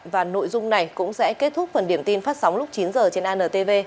và nội dung này cũng sẽ kết thúc phần điểm tin phát sóng lúc chín h trên antv